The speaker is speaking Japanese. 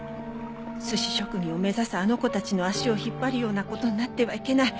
寿司職人を目指すあの子たちの足を引っ張るような事になってはいけない。